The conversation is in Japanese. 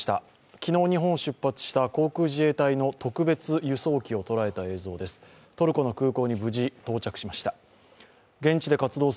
昨日日本を出発した航空自衛隊の特別輸送機を捉えた映像です。